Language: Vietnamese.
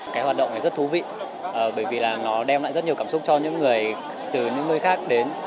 cái hoạt động này rất thú vị bởi vì là nó đem lại rất nhiều cảm xúc cho những người từ những nơi khác đến